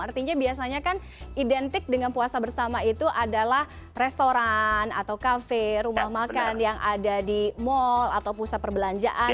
artinya biasanya kan identik dengan puasa bersama itu adalah restoran atau kafe rumah makan yang ada di mall atau pusat perbelanjaan